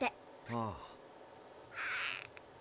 ああ。